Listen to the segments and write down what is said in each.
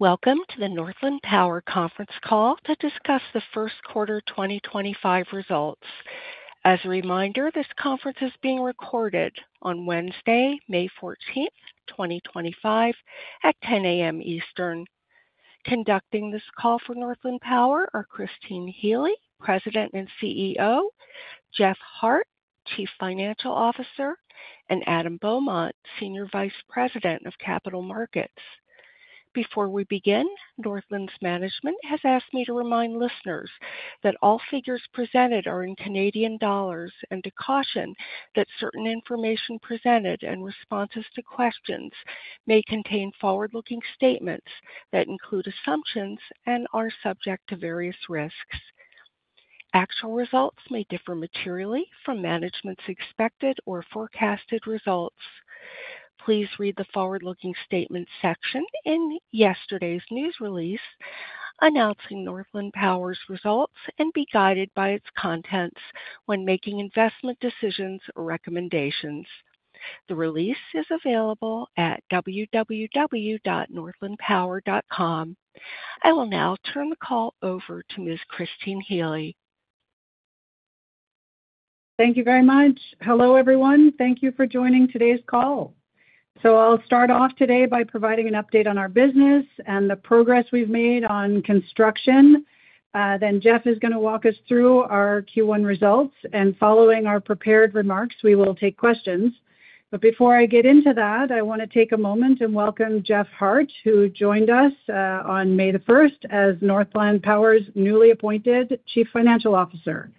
Welcome to the Northland Power conference call to discuss the first quarter 2025 results. As a reminder, this conference is being recorded on Wednesday, May 14th, 2025, at 10:00 A.M. Eastern. Conducting this call for Northland Power are Christine Healy, President and CEO, Jeff Hart, Chief Financial Officer, and Adam Beaumont, Senior Vice President of Capital Markets. Before we begin, Northland's management has asked me to remind listeners that all figures presented are in Canadian dollars and to caution that certain information presented and responses to questions may contain forward-looking statements that include assumptions and are subject to various risks. Actual results may differ materially from management's expected or forecasted results. Please read the forward-looking statements section in yesterday's news release announcing Northland Power's results and be guided by its contents when making investment decisions or recommendations. The release is available at www.northlandpower.com. I will now turn the call over to Ms. Christine Healy. Thank you very much. Hello, everyone. Thank you for joining today's call. I will start off today by providing an update on our business and the progress we have made on construction. Jeff is going to walk us through our Q1 results, and following our prepared remarks, we will take questions. Before I get into that, I want to take a moment and welcome Jeff Hart, who joined us on May 1 as Northland Power's newly appointed Chief Financial Officer.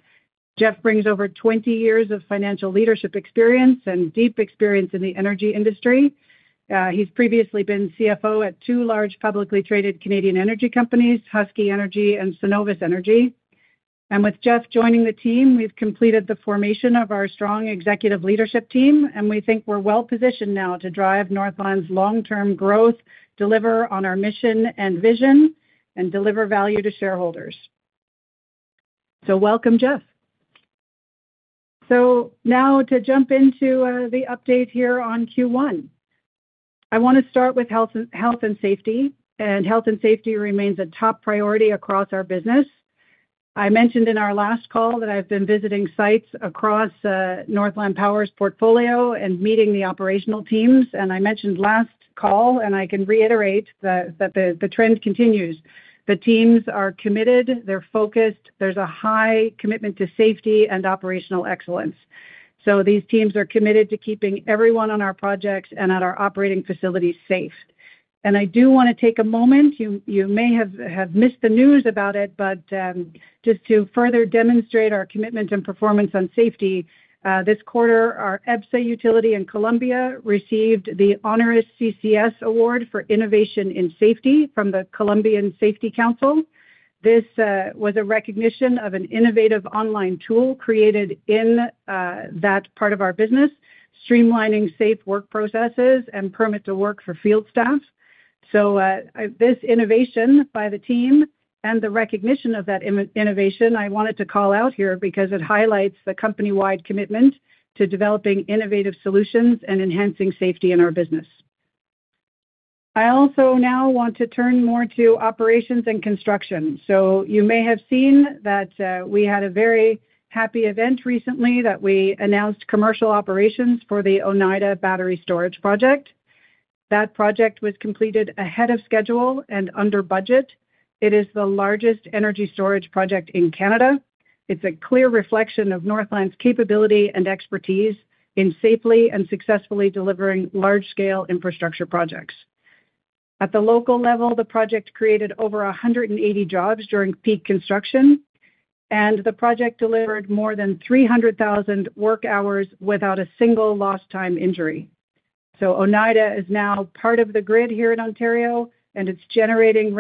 Jeff brings over 20 years of financial leadership experience and deep experience in the energy industry. He has previously been CFO at two large publicly traded Canadian energy companies, Husky Energy and Suncor Energy. With Jeff joining the team, we've completed the formation of our strong executive leadership team, and we think we're well positioned now to drive Northland's long-term growth, deliver on our mission and vision, and deliver value to shareholders. Welcome, Jeff. Now to jump into the update here on Q1, I want to start with health and safety. Health and safety remains a top priority across our business. I mentioned in our last call that I've been visiting sites across Northland Power's portfolio and meeting the operational teams. I mentioned last call, and I can reiterate that the trend continues. The teams are committed. They're focused. There's a high commitment to safety and operational excellence. These teams are committed to keeping everyone on our projects and at our operating facilities safe. I do want to take a moment. You may have missed the news about it, but just to further demonstrate our commitment and performance on safety, this quarter, our EBSA utility in Colombia received the Honoris CCS Award for Innovation in Safety from the Colombian Safety Council. This was a recognition of an innovative online tool created in that part of our business, streamlining safe work processes and permit to work for field staff. This innovation by the team and the recognition of that innovation, I wanted to call out here because it highlights the company-wide commitment to developing innovative solutions and enhancing safety in our business. I also now want to turn more to operations and construction. You may have seen that we had a very happy event recently that we announced commercial operations for the Oneida battery storage project. That project was completed ahead of schedule and under budget. It is the largest energy storage project in Canada. It's a clear reflection of Northland's capability and expertise in safely and successfully delivering large-scale infrastructure projects. At the local level, the project created over 180 jobs during peak construction, and the project delivered more than 300,000 work hours without a single lost-time injury. Oneida is now part of the grid here in Ontario, and it's generating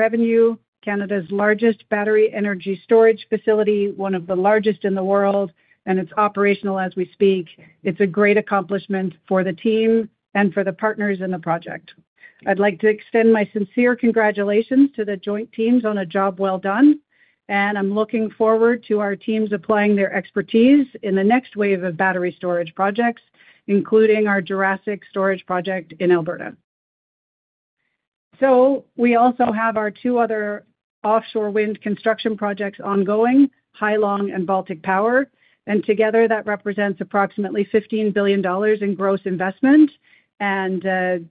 revenue. Canada's largest battery energy storage facility, one of the largest in the world, and it's operational as we speak. It's a great accomplishment for the team and for the partners in the project. I'd like to extend my sincere congratulations to the joint teams on a job well done, and I'm looking forward to our teams applying their expertise in the next wave of battery storage projects, including our Jurassic storage project in Alberta. We also have our two other offshore wind construction projects ongoing, Hai Long and Baltic Power. Together, that represents approximately 15 billion dollars in gross investment and 2.2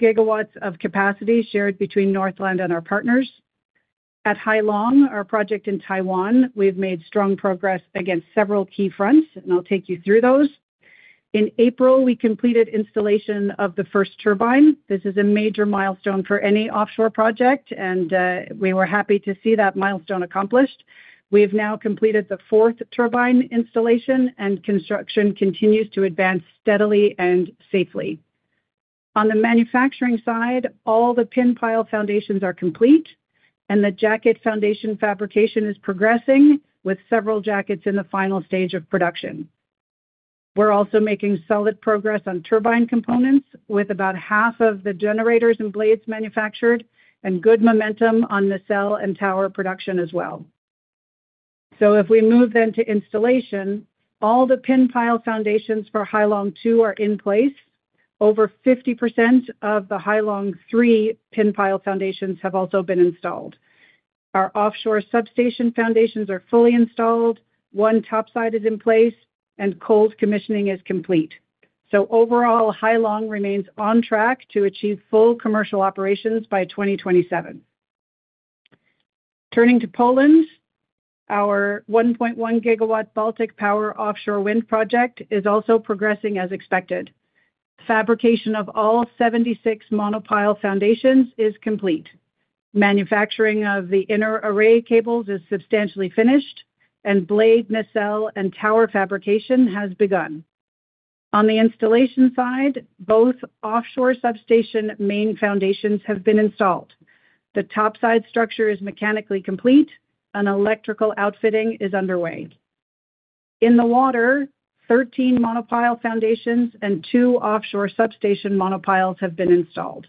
GW of capacity shared between Northland and our partners. At Hai Long, our project in Taiwan, we've made strong progress against several key fronts, and I'll take you through those. In April, we completed installation of the first turbine. This is a major milestone for any offshore project, and we were happy to see that milestone accomplished. We have now completed the fourth turbine installation, and construction continues to advance steadily and safely. On the manufacturing side, all the pin pile foundations are complete, and the jacket foundation fabrication is progressing with several jackets in the final stage of production. We're also making solid progress on turbine components with about half of the generators and blades manufactured and good momentum on nacelle and tower production as well. If we move then to installation, all the pin pile foundations for Hai Long 2 are in place. Over 50% of the Hai Long 3 pin pile foundations have also been installed. Our offshore substation foundations are fully installed. One topside is in place, and cold commissioning is complete. Overall, Hai Long remains on track to achieve full commercial operations by 2027. Turning to Poland, our 1.1 GW Baltic Power offshore wind project is also progressing as expected. Fabrication of all 76 monopile foundations is complete. Manufacturing of the inner array cables is substantially finished, and blade, nacelle, and tower fabrication has begun. On the installation side, both offshore substation main foundations have been installed. The topside structure is mechanically complete. An electrical outfitting is underway. In the water, 13 monopile foundations and two offshore substation monopiles have been installed.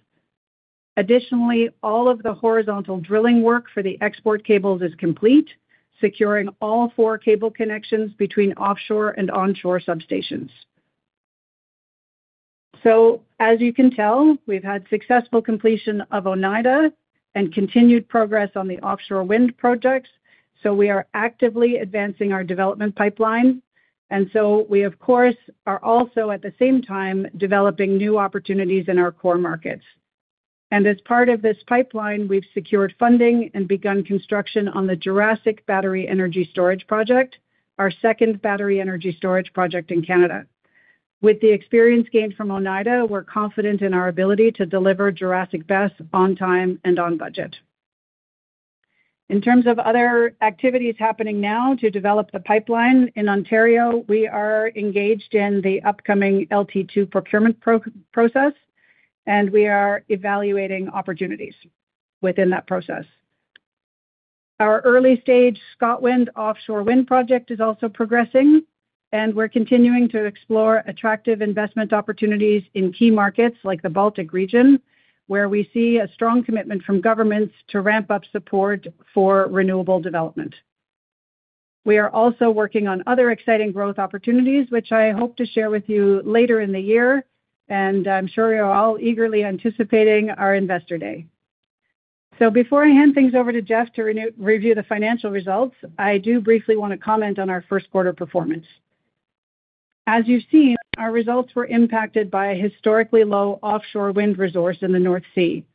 Additionally, all of the horizontal drilling work for the export cables is complete, securing all four cable connections between offshore and onshore substations. As you can tell, we've had successful completion of Oneida and continued progress on the offshore wind projects. We are actively advancing our development pipeline. We, of course, are also at the same time developing new opportunities in our core markets. As part of this pipeline, we've secured funding and begun construction on the Jurassic battery energy storage project, our second battery energy storage project in Canada. With the experience gained from Oneida, we're confident in our ability to deliver Jurassic best on time and on budget. In terms of other activities happening now to develop the pipeline in Ontario, we are engaged in the upcoming LT2 procurement process, and we are evaluating opportunities within that process. Our early stage ScotWind offshore wind project is also progressing, and we're continuing to explore attractive investment opportunities in key markets like the Baltic region, where we see a strong commitment from governments to ramp up support for renewable development. We are also working on other exciting growth opportunities, which I hope to share with you later in the year, and I'm sure you're all eagerly anticipating our investor day. Before I hand things over to Jeff to review the financial results, I do briefly want to comment on our first quarter performance. As you've seen, our results were impacted by a historically low offshore wind resource in the North Sea.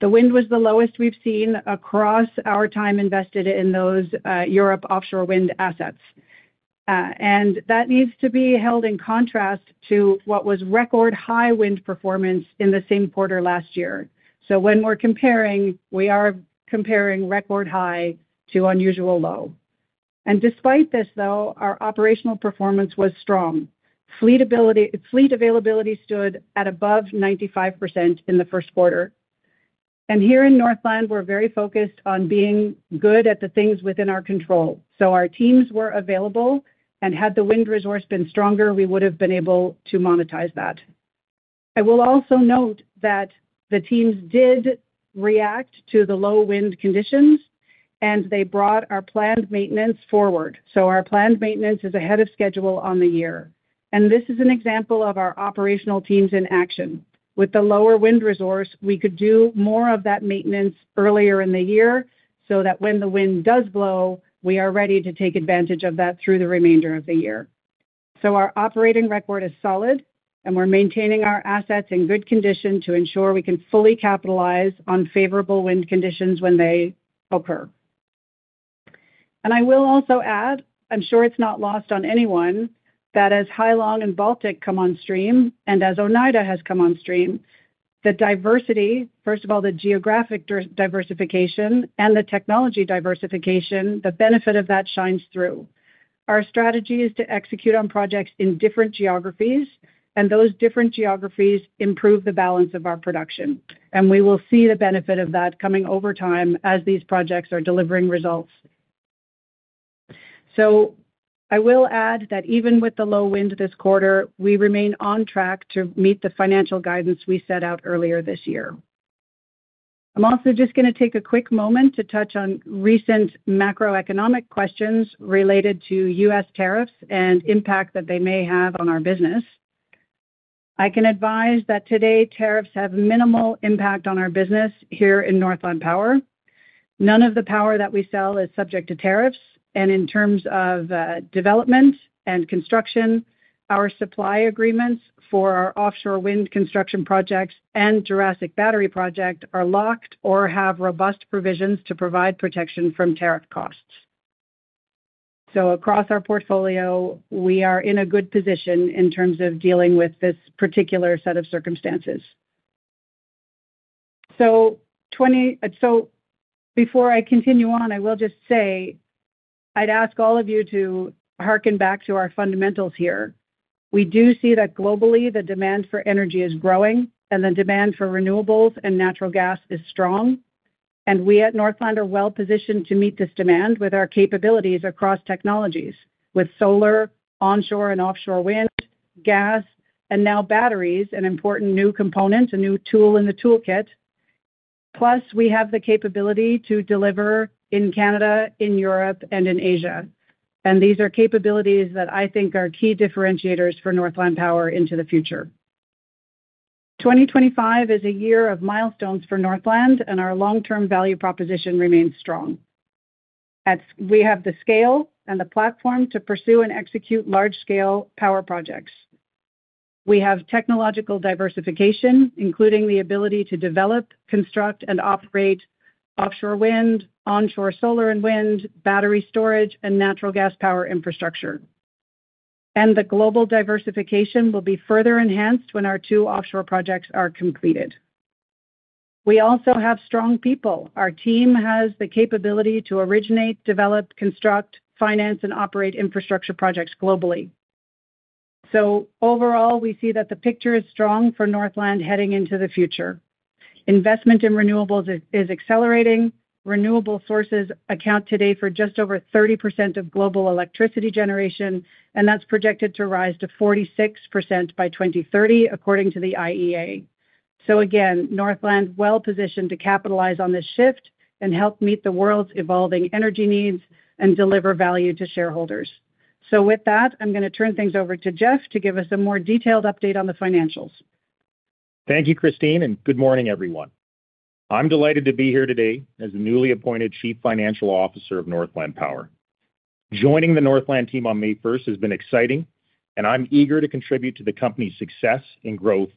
The wind was the lowest we have seen across our time invested in those Europe offshore wind assets. That needs to be held in contrast to what was record high wind performance in the same quarter last year. When we are comparing, we are comparing record high to unusual low. Despite this, though, our operational performance was strong. Fleet availability stood at above 95% in the first quarter. Here in Northland, we are very focused on being good at the things within our control. Our teams were available, and had the wind resource been stronger, we would have been able to monetize that. I will also note that the teams did react to the low wind conditions, and they brought our planned maintenance forward. Our planned maintenance is ahead of schedule on the year. This is an example of our operational teams in action. With the lower wind resource, we could do more of that maintenance earlier in the year so that when the wind does blow, we are ready to take advantage of that through the remainder of the year. Our operating record is solid, and we are maintaining our assets in good condition to ensure we can fully capitalize on favorable wind conditions when they occur. I will also add, I am sure it is not lost on anyone, that as Hai Long and Baltic Power come on stream and as Oneida has come on stream, the diversity, first of all, the geographic diversification and the technology diversification, the benefit of that shines through. Our strategy is to execute on projects in different geographies, and those different geographies improve the balance of our production. We will see the benefit of that coming over time as these projects are delivering results. I will add that even with the low wind this quarter, we remain on track to meet the financial guidance we set out earlier this year. I'm also just going to take a quick moment to touch on recent macroeconomic questions related to U.S. tariffs and impact that they may have on our business. I can advise that today, tariffs have minimal impact on our business here in Northland Power. None of the power that we sell is subject to tariffs. In terms of development and construction, our supply agreements for our offshore wind construction projects and Jurassic battery project are locked or have robust provisions to provide protection from tariff costs. Across our portfolio, we are in a good position in terms of dealing with this particular set of circumstances. Before I continue on, I will just say I'd ask all of you to hearken back to our fundamentals here. We do see that globally, the demand for energy is growing, and the demand for renewables and natural gas is strong. We at Northland are well positioned to meet this demand with our capabilities across technologies, with solar, onshore and offshore wind, gas, and now batteries, an important new component, a new tool in the toolkit. Plus, we have the capability to deliver in Canada, in Europe, and in Asia. These are capabilities that I think are key differentiators for Northland Power into the future. 2025 is a year of milestones for Northland, and our long-term value proposition remains strong. We have the scale and the platform to pursue and execute large-scale power projects. We have technological diversification, including the ability to develop, construct, and operate offshore wind, onshore solar and wind, battery storage, and natural gas power infrastructure. The global diversification will be further enhanced when our two offshore projects are completed. We also have strong people. Our team has the capability to originate, develop, construct, finance, and operate infrastructure projects globally. Overall, we see that the picture is strong for Northland heading into the future. Investment in renewables is accelerating. Renewable sources account today for just over 30% of global electricity generation, and that's projected to rise to 46% by 2030, according to the IEA. Northland is well positioned to capitalize on this shift and help meet the world's evolving energy needs and deliver value to shareholders. With that, I'm going to turn things over to Jeff to give us a more detailed update on the financials. Thank you, Christine, and good morning, everyone. I'm delighted to be here today as the newly appointed Chief Financial Officer of Northland Power. Joining the Northland team on May 1 has been exciting, and I'm eager to contribute to the company's success and growth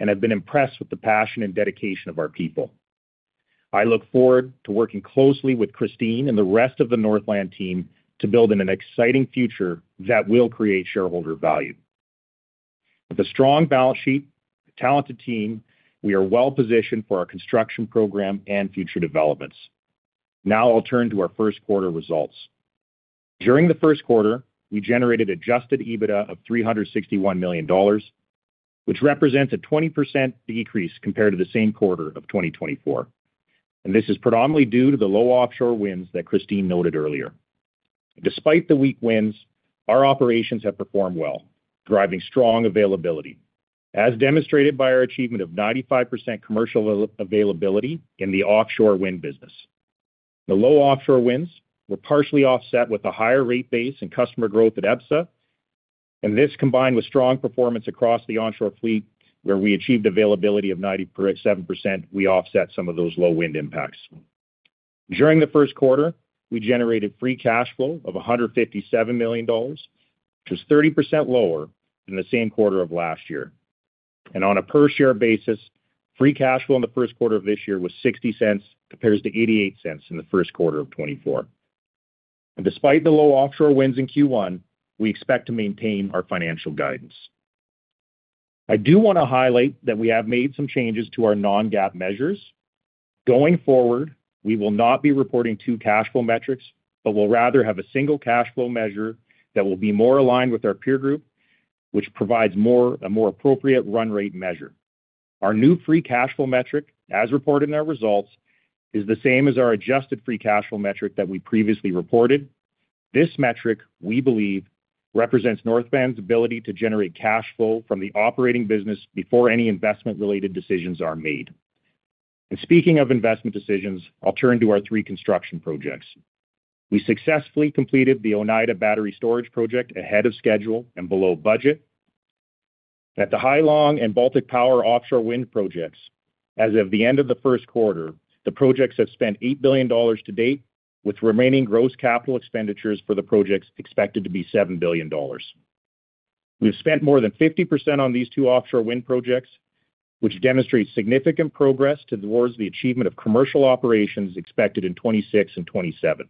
and have been impressed with the passion and dedication of our people. I look forward to working closely with Christine and the rest of the Northland team to build an exciting future that will create shareholder value. With a strong balance sheet and a talented team, we are well positioned for our construction program and future developments. Now I'll turn to our first quarter results. During the first quarter, we generated adjusted EBITDA of 361 million dollars, which represents a 20% decrease compared to the same quarter of 2024. This is predominantly due to the low offshore winds that Christine noted earlier. Despite the weak winds, our operations have performed well, driving strong availability, as demonstrated by our achievement of 95% commercial availability in the offshore wind business. The low offshore winds were partially offset with a higher rate base and customer growth at EBSA. This, combined with strong performance across the onshore fleet, where we achieved availability of 97%, offset some of those low wind impacts. During the first quarter, we generated free cash flow of 157 million dollars, which was 30% lower than the same quarter of last year. On a per-share basis, free cash flow in the first quarter of this year was 0.60 compared to 0.88 in the first quarter of 2023. Despite the low offshore winds in Q1, we expect to maintain our financial guidance. I do want to highlight that we have made some changes to our non-GAAP measures. Going forward, we will not be reporting two cash flow metrics, but will rather have a single cash flow measure that will be more aligned with our peer group, which provides a more appropriate run rate measure. Our new free cash flow metric, as reported in our results, is the same as our adjusted free cash flow metric that we previously reported. This metric, we believe, represents Northland Power's ability to generate cash flow from the operating business before any investment-related decisions are made. Speaking of investment decisions, I'll turn to our three construction projects. We successfully completed the Oneida battery storage project ahead of schedule and below budget. At the Hai Long and Baltic Power offshore wind projects, as of the end of the first quarter, the projects have spent 8 billion dollars to date, with remaining gross capital expenditures for the projects expected to be 7 billion dollars. We've spent more than 50% on these two offshore wind projects, which demonstrates significant progress towards the achievement of commercial operations expected in 2026 and 2027.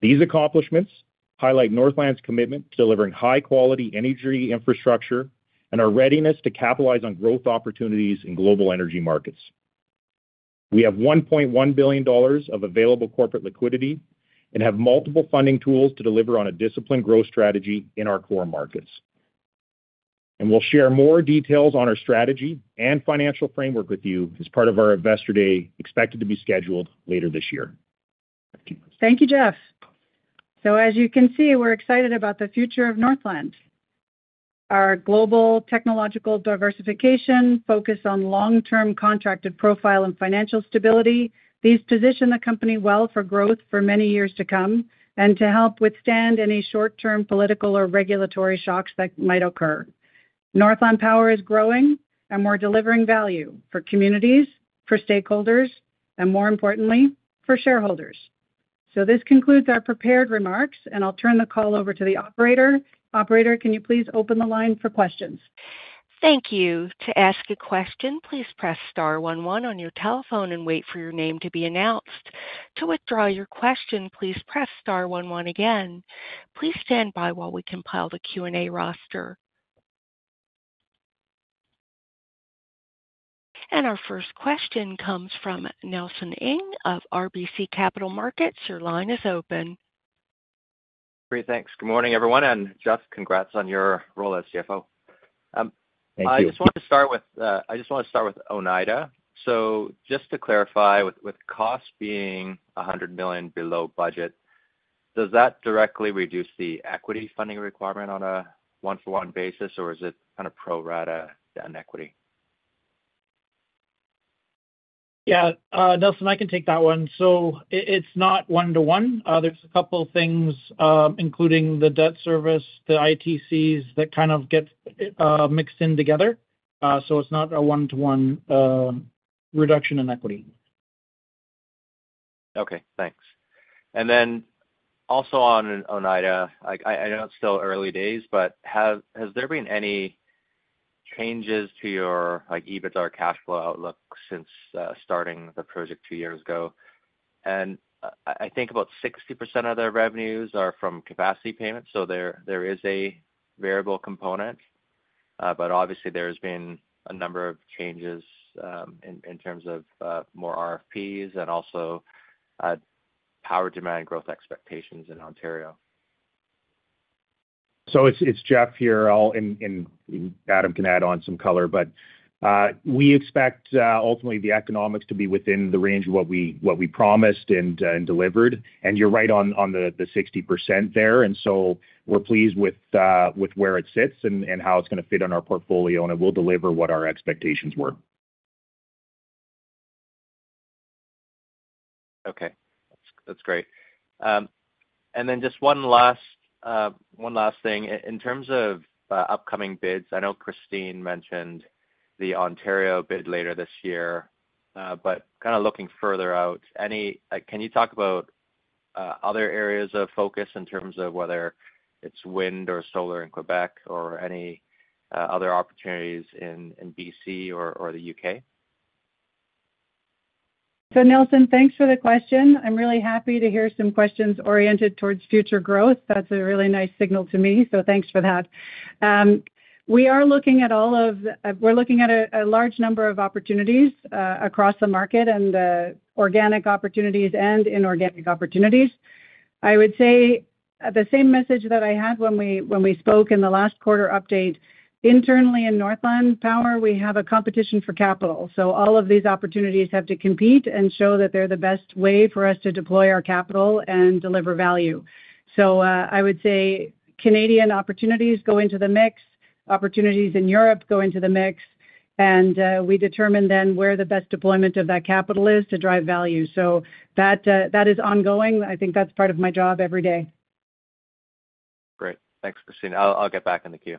These accomplishments highlight Northland Power's commitment to delivering high-quality energy infrastructure and our readiness to capitalize on growth opportunities in global energy markets. We have 1.1 billion dollars of available corporate liquidity and have multiple funding tools to deliver on a disciplined growth strategy in our core markets. We will share more details on our strategy and financial framework with you as part of our investor day expected to be scheduled later this year. Thank you, Jeff. As you can see, we're excited about the future of Northland Power. Our global technological diversification focused on long-term contracted profile and financial stability. These position the company well for growth for many years to come and to help withstand any short-term political or regulatory shocks that might occur. Northland Power is growing and we are delivering value for communities, for stakeholders, and more importantly, for shareholders. This concludes our prepared remarks, and I will turn the call over to the operator. Operator, can you please open the line for questions? Thank you. To ask a question, please press star one one on your telephone and wait for your name to be announced. To withdraw your question, please press star one one again. Please stand by while we compile the Q&A roster. Our first question comes from Nelson Ng of RBC Capital Markets. Your line is open. Great. Thanks. Good morning, everyone. Jeff, congrats on your role as CFO. Thank you. I just want to start with I just want to start with Oneida. Just to clarify, with cost being 100 million below budget, does that directly reduce the equity funding requirement on a one-for-one basis, or is it kind of pro rata down equity? Yeah. Nelson, I can take that one. It is not one-to-one. There are a couple of things, including the debt service, the ITCs that kind of get mixed in together. It is not a one-to-one reduction in equity. Okay. Thanks. Also on Oneida, I know it is still early days, but has there been any changes to your EBITDA or cash flow outlook since starting the project two years ago? I think about 60% of their revenues are from capacity payments. There is a variable component. Obviously, there have been a number of changes in terms of more RFPs and also power demand growth expectations in Ontario. It is Jeff here. Adam can add on some color, but we expect ultimately the economics to be within the range of what we promised and delivered. You're right on the 60% there. We're pleased with where it sits and how it's going to fit on our portfolio, and it will deliver what our expectations were. Okay. That's great. Just one last thing. In terms of upcoming bids, I know Christine mentioned the Ontario bid later this year, but kind of looking further out, can you talk about other areas of focus in terms of whether it's wind or solar in Quebec or any other opportunities in British Columbia or the U.K.? Nelson, thanks for the question. I'm really happy to hear some questions oriented towards future growth. That's a really nice signal to me. Thanks for that. We are looking at a large number of opportunities across the market and organic opportunities and inorganic opportunities. I would say the same message that I had when we spoke in the last quarter update. Internally in Northland Power, we have a competition for capital. All of these opportunities have to compete and show that they're the best way for us to deploy our capital and deliver value. I would say Canadian opportunities go into the mix, opportunities in Europe go into the mix, and we determine then where the best deployment of that capital is to drive value. That is ongoing. I think that's part of my job every day. Great. Thanks, Christine. I'll get back in the queue.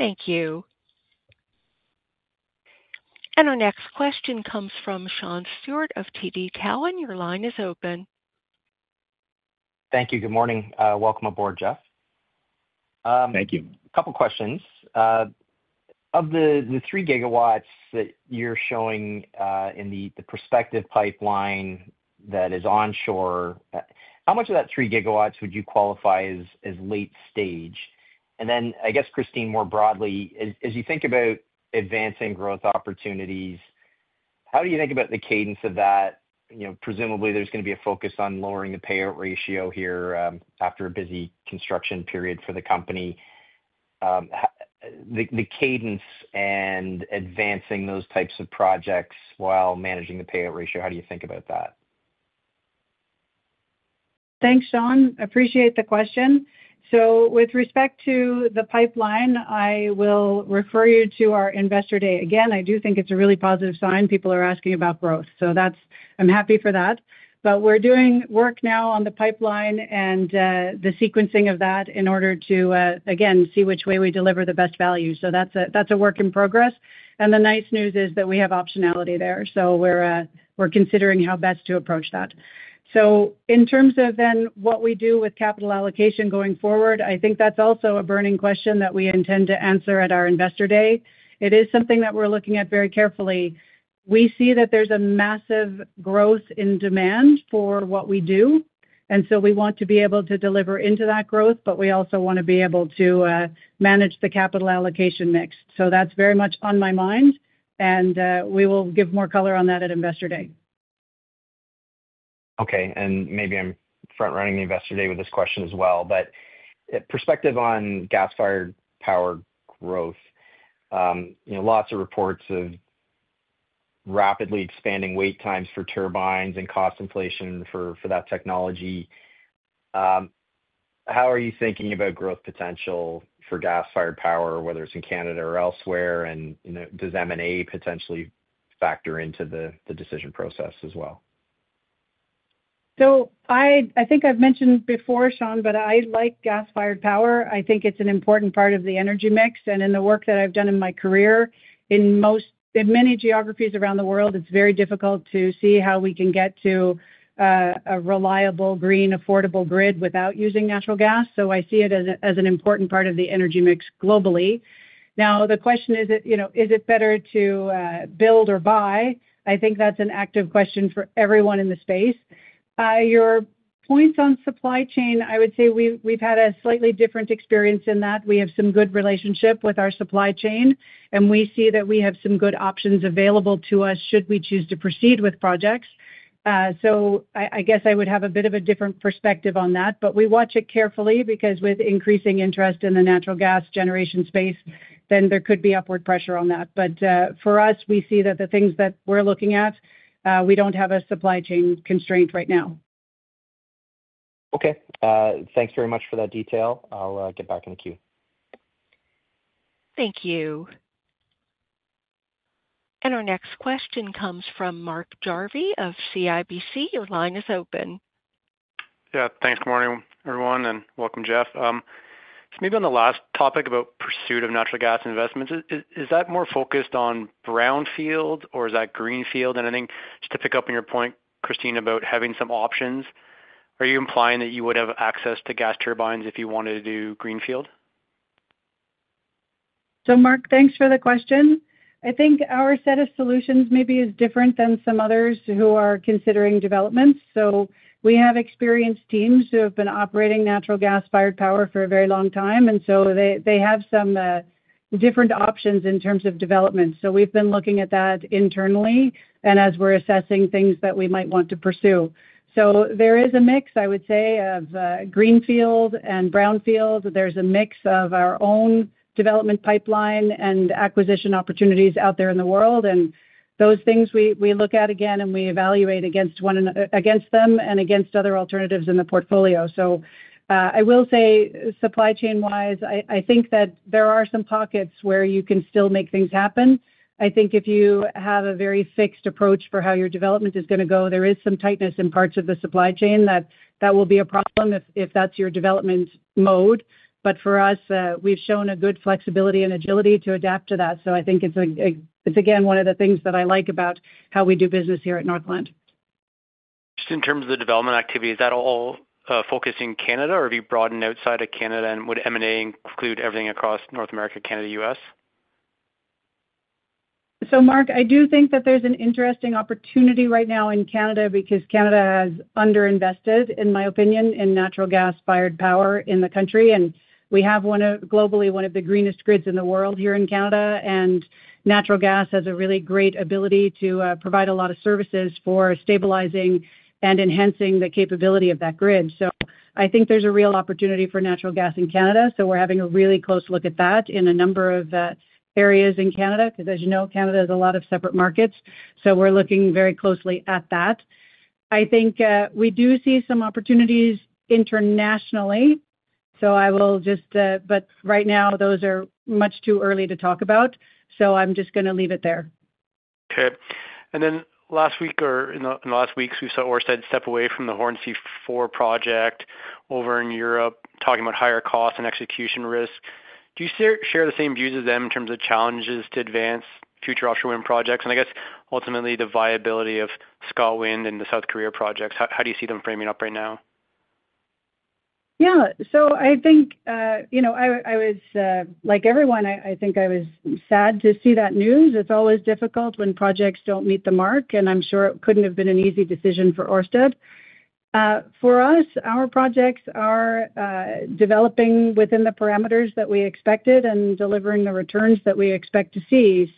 Thank you. Our next question comes from Sean Stewart of TD Cowen. Your line is open. Thank you. Good morning. Welcome aboard, Jeff. Thank you. A couple of questions. Of the 3 GW that you're showing in the prospective pipeline that is onshore, how much of that 3 GW would you qualify as late stage? And then I guess, Christine, more broadly, as you think about advancing growth opportunities, how do you think about the cadence of that? Presumably, there's going to be a focus on lowering the payout ratio here after a busy construction period for the company. The cadence and advancing those types of projects while managing the payout ratio, how do you think about that? Thanks, Sean. Appreciate the question. With respect to the pipeline, I will refer you to our investor day. Again, I do think it's a really positive sign. People are asking about growth. I'm happy for that. We're doing work now on the pipeline and the sequencing of that in order to, again, see which way we deliver the best value. That's a work in progress. The nice news is that we have optionality there. We're considering how best to approach that. In terms of what we do with capital allocation going forward, I think that's also a burning question that we intend to answer at our investor day. It is something that we're looking at very carefully. We see that there's a massive growth in demand for what we do. We want to be able to deliver into that growth, but we also want to be able to manage the capital allocation mix. That's very much on my mind. We will give more color on that at investor day. Okay. Maybe I am front-running the investor day with this question as well. Perspective on gas-fired power growth, lots of reports of rapidly expanding wait times for turbines and cost inflation for that technology. How are you thinking about growth potential for gas-fired power, whether it is in Canada or elsewhere? Does M&A potentially factor into the decision process as well? I think I have mentioned before, Sean, but I like gas-fired power. I think it is an important part of the energy mix. In the work that I have done in my career, in many geographies around the world, it is very difficult to see how we can get to a reliable, green, affordable grid without using natural gas. I see it as an important part of the energy mix globally. The question is, is it better to build or buy? I think that's an active question for everyone in the space. Your points on supply chain, I would say we've had a slightly different experience in that. We have some good relationship with our supply chain, and we see that we have some good options available to us should we choose to proceed with projects. I guess I would have a bit of a different perspective on that. We watch it carefully because with increasing interest in the natural gas generation space, there could be upward pressure on that. For us, we see that the things that we're looking at, we don't have a supply chain constraint right now. Okay. Thanks very much for that detail. I'll get back in the queue. Thank you. Our next question comes from Mark Jarvey of CIBC. Your line is open. Yeah. Thanks. Good morning, everyone. And welcome, Jeff. Maybe on the last topic about pursuit of natural gas investments, is that more focused on brownfield or is that greenfield? I think just to pick up on your point, Christine, about having some options, are you implying that you would have access to gas turbines if you wanted to do greenfield? Mark, thanks for the question. I think our set of solutions maybe is different than some others who are considering developments. We have experienced teams who have been operating natural gas-fired power for a very long time, and they have some different options in terms of development. We have been looking at that internally and as we are assessing things that we might want to pursue. There is a mix, I would say, of greenfield and brownfield. There is a mix of our own development pipeline and acquisition opportunities out there in the world. Those things we look at again and we evaluate against them and against other alternatives in the portfolio. I will say, supply chain-wise, I think that there are some pockets where you can still make things happen. I think if you have a very fixed approach for how your development is going to go, there is some tightness in parts of the supply chain that will be a problem if that's your development mode. For us, we've shown a good flexibility and agility to adapt to that. I think it's, again, one of the things that I like about how we do business here at Northland. Just in terms of the development activity, is that all focused in Canada, or have you broadened outside of Canada? Would M&A include everything across North America, Canada, U.S.? Mark, I do think that there's an interesting opportunity right now in Canada because Canada has underinvested, in my opinion, in natural gas-fired power in the country. We have globally one of the greenest grids in the world here in Canada. Natural gas has a really great ability to provide a lot of services for stabilizing and enhancing the capability of that grid. I think there's a real opportunity for natural gas in Canada. We're having a really close look at that in a number of areas in Canada because, as you know, Canada has a lot of separate markets. We're looking very closely at that. I think we do see some opportunities internationally. I will just, but right now, those are much too early to talk about. I'm just going to leave it there. Okay. Last week or in the last weeks, we saw Ørsted step away from the Hornsea 4 project over in Europe, talking about higher costs and execution risk. Do you share the same views as them in terms of challenges to advance future offshore wind projects? I guess, ultimately, the viability of ScotWind and the South Korea projects, how do you see them framing up right now? Yeah. I think I was, like everyone, I think I was sad to see that news. It's always difficult when projects don't meet the mark. I'm sure it could not have been an easy decision for Ørsted. For us, our projects are developing within the parameters that we expected and delivering the returns that we expect to see.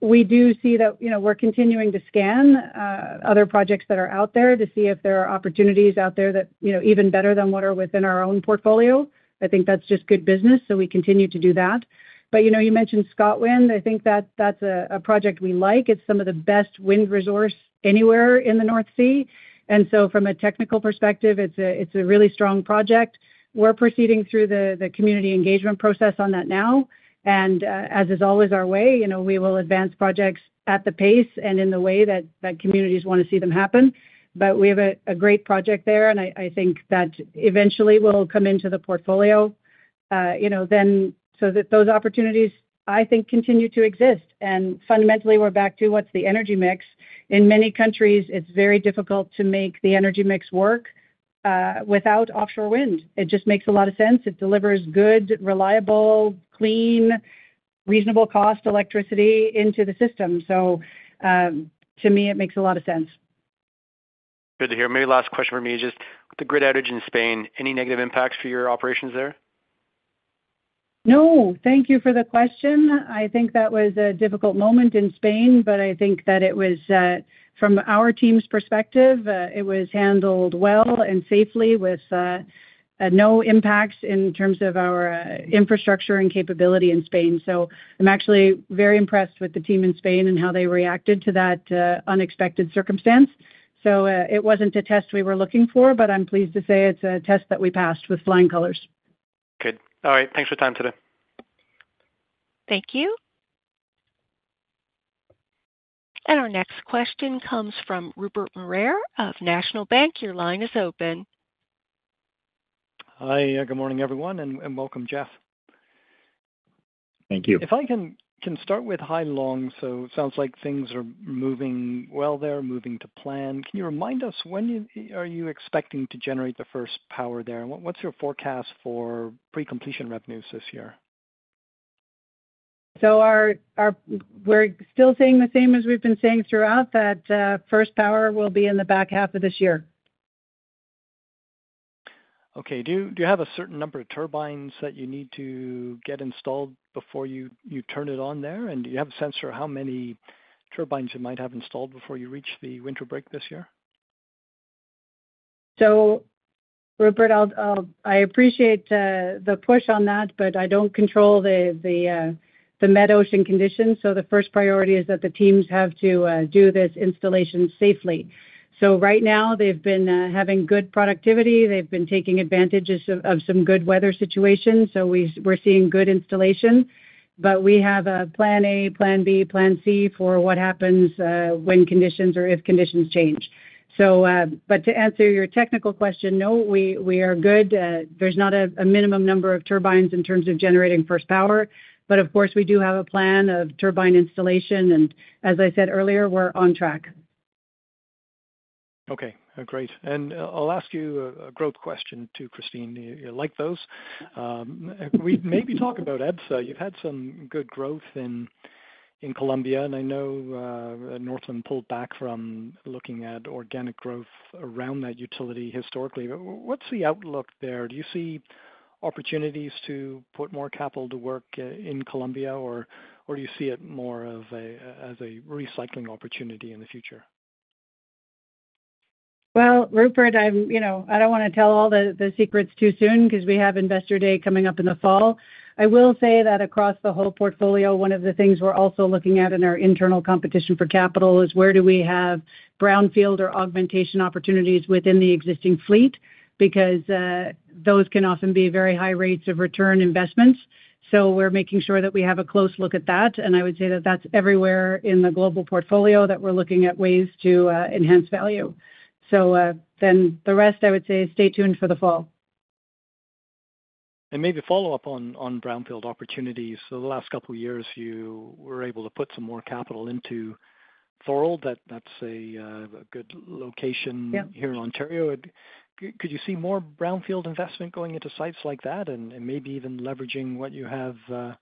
We do see that we're continuing to scan other projects that are out there to see if there are opportunities out there that are even better than what are within our own portfolio. I think that's just good business. We continue to do that. You mentioned ScotWind. I think that that's a project we like. It's some of the best wind resource anywhere in the North Sea. From a technical perspective, it's a really strong project. We're proceeding through the community engagement process on that now. As is always our way, we will advance projects at the pace and in the way that communities want to see them happen. We have a great project there. I think that eventually will come into the portfolio. Those opportunities, I think, continue to exist. Fundamentally, we're back to what's the energy mix. In many countries, it's very difficult to make the energy mix work without offshore wind. It just makes a lot of sense. It delivers good, reliable, clean, reasonable-cost electricity into the system. To me, it makes a lot of sense. Good to hear. Maybe last question for me. Just with the grid outage in Spain, any negative impacts for your operations there? No. Thank you for the question. I think that was a difficult moment in Spain, but I think that it was, from our team's perspective, handled well and safely with no impacts in terms of our infrastructure and capability in Spain. I'm actually very impressed with the team in Spain and how they reacted to that unexpected circumstance. It was not a test we were looking for, but I'm pleased to say it's a test that we passed with flying colors. Good. All right. Thanks for your time today. Thank you. Our next question comes from Rupert Marais of National Bank. Your line is open. Hi. Good morning, everyone. Welcome, Jeff. Thank you. If I can start with Hai Long, it sounds like things are moving well there, moving to plan. Can you remind us when are you expecting to generate the first power there? What's your forecast for pre-completion revenues this year? We're still saying the same as we've been saying throughout that first power will be in the back half of this year. Okay. Do you have a certain number of turbines that you need to get installed before you turn it on there? Do you have a sense for how many turbines you might have installed before you reach the winter break this year? Rupert, I appreciate the push on that, but I do not control the Med Ocean conditions. The first priority is that the teams have to do this installation safely. Right now, they have been having good productivity. They have been taking advantage of some good weather situations. We are seeing good installation. We have a plan A, plan B, plan C for what happens when conditions or if conditions change. To answer your technical question, no, we are good. There is not a minimum number of turbines in terms of generating first power. Of course, we do have a plan of turbine installation. As I said earlier, we are on track. Okay. Great. I will ask you a growth question too, Christine. You like those. Maybe talk about EBSA. You have had some good growth in Colombia. I know Northland pulled back from looking at organic growth around that utility historically. What is the outlook there? Do you see opportunities to put more capital to work in Colombia, or do you see it more as a recycling opportunity in the future? Rupert, I do not want to tell all the secrets too soon because we have investor day coming up in the fall. I will say that across the whole portfolio, one of the things we are also looking at in our internal competition for capital is where we have brownfield or augmentation opportunities within the existing fleet because those can often be very high rates of return investments. We are making sure that we have a close look at that. I would say that is everywhere in the global portfolio that we are looking at ways to enhance value. Then the rest, I would say, stay tuned for the fall. Maybe follow up on brownfield opportunities. The last couple of years, you were able to put some more capital into Thorold. That is a good location here in Ontario. Could you see more brownfield investment going into sites like that and maybe even leveraging what you have at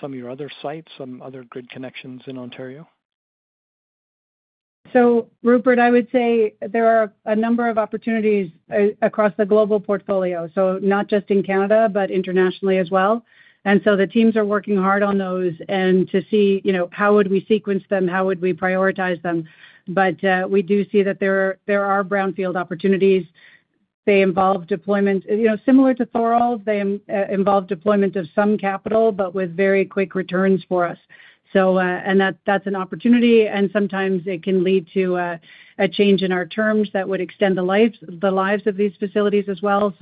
some of your other sites, some other grid connections in Ontario? Rupert, I would say there are a number of opportunities across the global portfolio, not just in Canada, but internationally as well. The teams are working hard on those and to see how we would sequence them, how we would prioritize them. We do see that there are brownfield opportunities. They involve deployments similar to Thorold. They involve deployment of some capital, but with very quick returns for us. That is an opportunity. Sometimes it can lead to a change in our terms that would extend the lives of these facilities as well.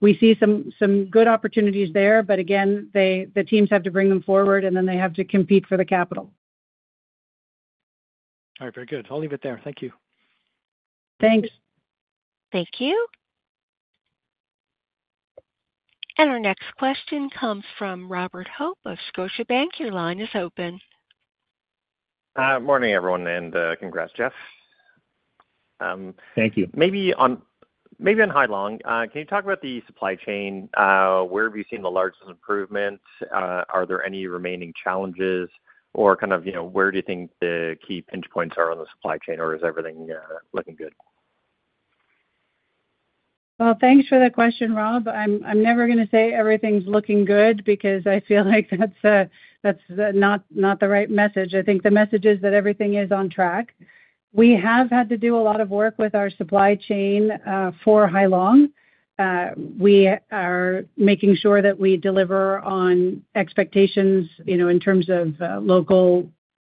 We see some good opportunities there. Again, the teams have to bring them forward, and then they have to compete for the capital. All right. Very good. I'll leave it there. Thank you. Thanks. Thank you. Our next question comes from Robert Hope of Scotiabank. Your line is open. Morning, everyone. Congrats, Jeff. Thank you. Maybe on Hai Long, can you talk about the supply chain? Where have you seen the largest improvements? Are there any remaining challenges? Where do you think the key pinch points are on the supply chain, or is everything looking good? Thanks for that question, Rob. I'm never going to say everything's looking good because I feel like that's not the right message. I think the message is that everything is on track. We have had to do a lot of work with our supply chain for Hai Long. We are making sure that we deliver on expectations in terms of local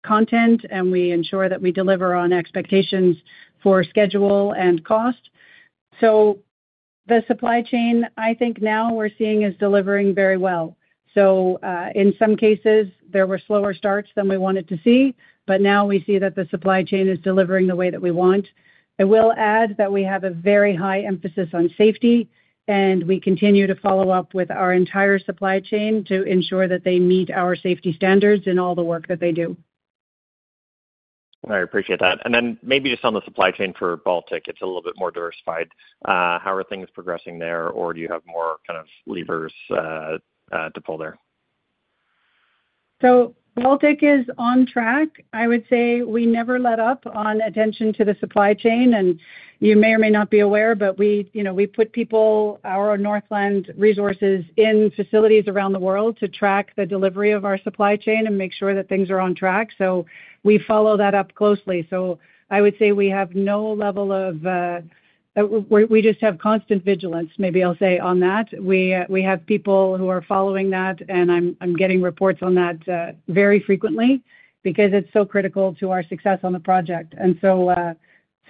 content, and we ensure that we deliver on expectations for schedule and cost. The supply chain, I think now we're seeing, is delivering very well. In some cases, there were slower starts than we wanted to see. Now we see that the supply chain is delivering the way that we want. I will add that we have a very high emphasis on safety, and we continue to follow up with our entire supply chain to ensure that they meet our safety standards in all the work that they do. I appreciate that. Maybe just on the supply chain for Baltic, it's a little bit more diversified. How are things progressing there, or do you have more kind of levers to pull there? Baltic is on track. I would say we never let up on attention to the supply chain. You may or may not be aware, but we put people, our Northland resources, in facilities around the world to track the delivery of our supply chain and make sure that things are on track. We follow that up closely. I would say we have no level of—we just have constant vigilance, maybe I'll say, on that. We have people who are following that, and I'm getting reports on that very frequently because it's so critical to our success on the project.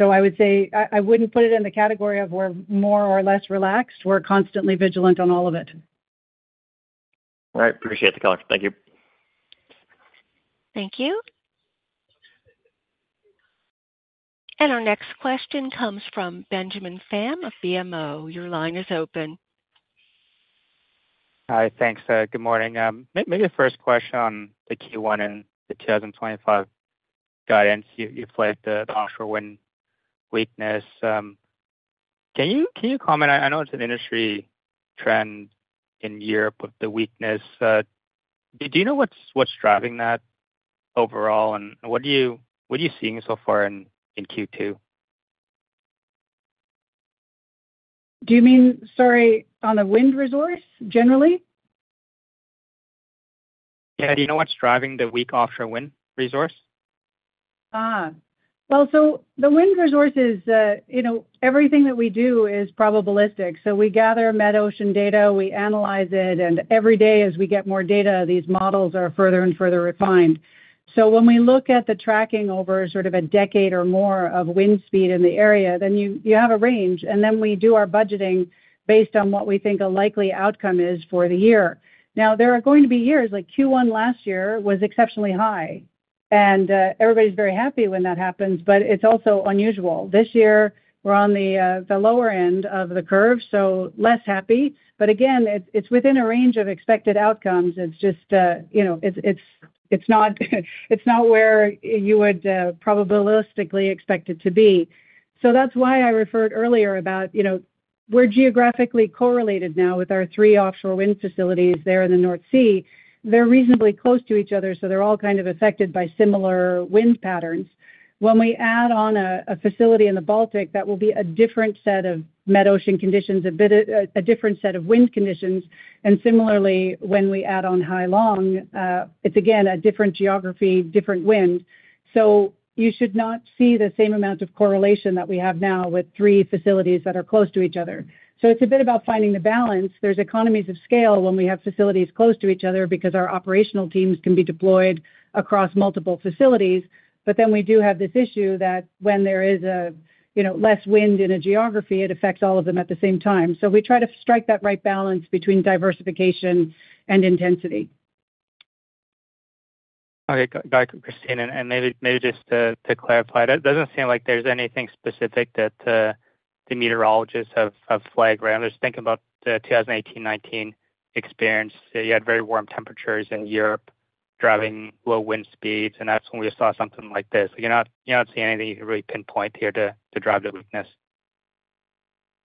I would say I wouldn't put it in the category of we're more or less relaxed. We're constantly vigilant on all of it. All right. Appreciate the call. Thank you. Thank you. Our next question comes from Benjamin Pham of BMO. Your line is open. Hi. Thanks. Good morning. Maybe a first question on the Q1 and the 2025 guidance. You played the offshore wind weakness. Can you comment? I know it is an industry trend in Europe with the weakness. Do you know what is driving that overall, and what are you seeing so far in Q2? Do you mean, sorry, on the wind resource generally? Yeah. Do you know what is driving the weak offshore wind resource? The wind resource is everything that we do is probabilistic. We gather Met Ocean data. We analyze it. Every day, as we get more data, these models are further and further refined. When we look at the tracking over sort of a decade or more of wind speed in the area, then you have a range. We do our budgeting based on what we think a likely outcome is for the year. There are going to be years like Q1 last year was exceptionally high. Everybody's very happy when that happens, but it's also unusual. This year, we're on the lower end of the curve, so less happy. Again, it's within a range of expected outcomes. It's just it's not where you would probabilistically expect it to be. That is why I referred earlier about we're geographically correlated now with our three offshore wind facilities there in the North Sea. They're reasonably close to each other, so they're all kind of affected by similar wind patterns. When we add on a facility in the Baltic, that will be a different set of metocean conditions, a different set of wind conditions. Similarly, when we add on Hai Long, it is again a different geography, different wind. You should not see the same amount of correlation that we have now with three facilities that are close to each other. It is a bit about finding the balance. There are economies of scale when we have facilities close to each other because our operational teams can be deployed across multiple facilities. Then we do have this issue that when there is less wind in a geography, it affects all of them at the same time. We try to strike that right balance between diversification and intensity. All right. Got it, Christine. Maybe just to clarify, it does not seem like there is anything specific that the meteorologists have flagged around. I was thinking about the 2018-2019 experience. You had very warm temperatures in Europe driving low wind speeds, and that's when we saw something like this. You don't see anything you can really pinpoint here to drive the weakness.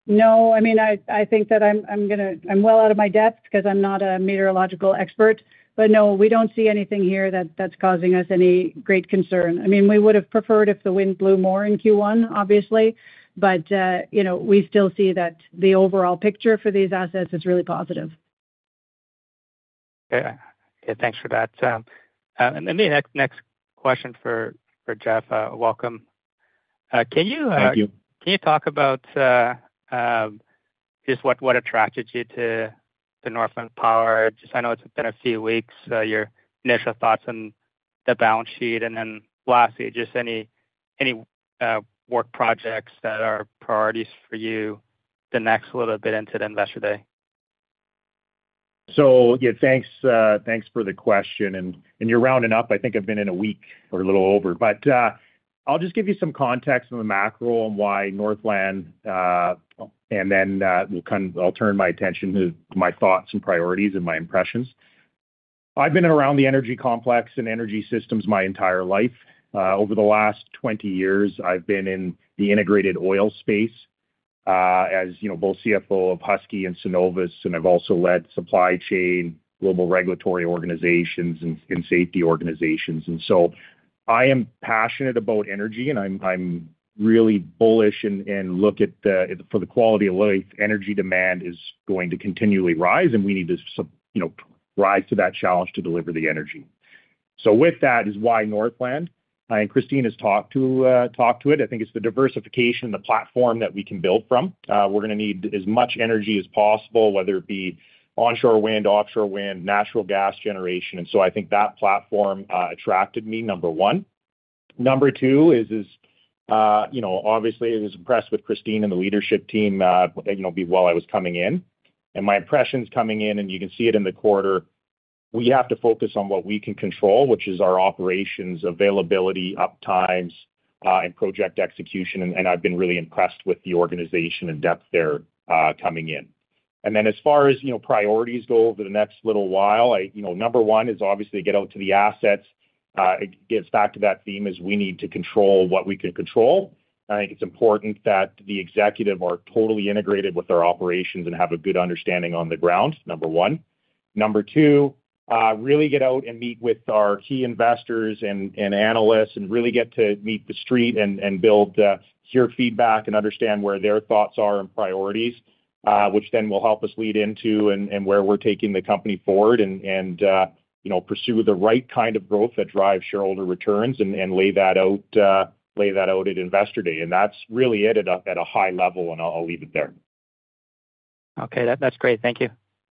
No. I mean, I think that I'm well out of my depth because I'm not a meteorological expert. But no, we don't see anything here that's causing us any great concern. I mean, we would have preferred if the wind blew more in Q1, obviously. We still see that the overall picture for these assets is really positive. Yeah. Thanks for that. Maybe next question for Jeff. Welcome. Thank you. Can you talk about just what attracted you to Northland Power? I know it's been a few weeks. Your initial thoughts on the balance sheet and then lastly, just any work projects that are priorities for you the next little bit into the investor day? Yeah, thanks for the question. And you're rounding up. I think I've been in a week or a little over. I'll just give you some context on the macro and why Northland. Then I'll turn my attention to my thoughts and priorities and my impressions. I've been around the energy complex and energy systems my entire life. Over the last 20 years, I've been in the integrated oil space as both CFO of Husky and Suncor. I've also led supply chain, global regulatory organizations, and safety organizations. I am passionate about energy, and I'm really bullish and look at for the quality of life, energy demand is going to continually rise, and we need to rise to that challenge to deliver the energy. With that is why Northland. Christine has talked to it. I think it's the diversification and the platform that we can build from. We're going to need as much energy as possible, whether it be onshore wind, offshore wind, natural gas generation. I think that platform attracted me, number one. Number two is, obviously, I was impressed with Christine and the leadership team while I was coming in. My impressions coming in, and you can see it in the quarter, we have to focus on what we can control, which is our operations, availability, uptimes, and project execution. I've been really impressed with the organization and depth there coming in. As far as priorities go over the next little while, number one is obviously get out to the assets. It gets back to that theme as we need to control what we can control. I think it's important that the executive are totally integrated with our operations and have a good understanding on the ground, number one. Number two, really get out and meet with our key investors and analysts and really get to meet the street and hear feedback and understand where their thoughts are and priorities, which then will help us lead into and where we're taking the company forward and pursue the right kind of growth that drives shareholder returns and lay that out at investor day. That's really it at a high level, and I'll leave it there. Okay. That's great. Thank you.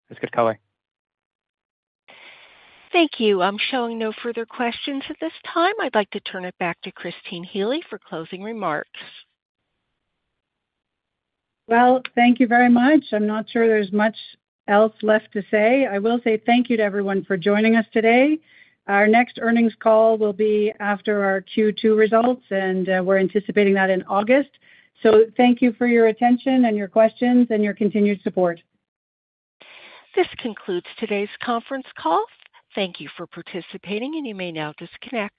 That's good color. Thank you. I'm showing no further questions at this time. I'd like to turn it back to Christine Healy for closing remarks. Thank you very much. I'm not sure there's much else left to say. I will say thank you to everyone for joining us today. Our next earnings call will be after our Q2 results, and we're anticipating that in August. Thank you for your attention and your questions and your continued support. This concludes today's conference call. Thank you for participating, and you may now disconnect.